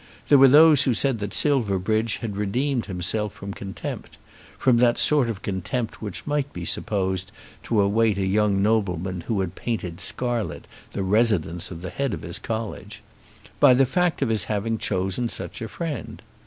There were those who said that Silverbridge had redeemed himself from contempt from that sort of contempt which might be supposed to await a young nobleman who had painted scarlet the residence of the Head of his college by the fact of his having chosen such a friend.